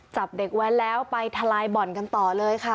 จับเด็กแว้นแล้วไปทลายบ่อนกันต่อเลยค่ะ